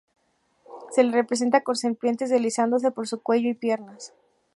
Se le representa con serpientes deslizándose por su cuello y piernas.